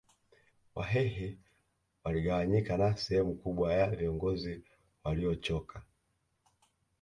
Wahehe waligawanyika na sehemu kubwa ya viongozi waliochoka